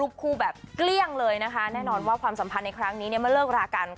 ผมไม่มีครับอันนี้ไม่ทราบครับ